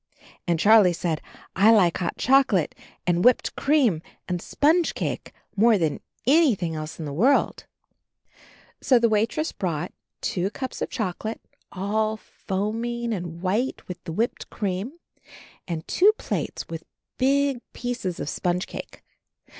And Charlie said, "I like hot chocolate and whipped cream and sponge cake more than anything else in the world." 58 CHARLIE So the waitress brought two cups of choco late, all foaming and white with the whipped cream, and two plates with big pieces of sponge cake.